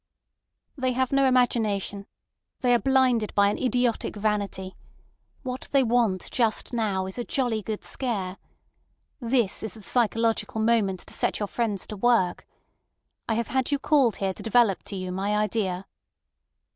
"They have no imagination. They are blinded by an idiotic vanity. What they want just now is a jolly good scare. This is the psychological moment to set your friends to work. I have had you called here to develop to you my idea."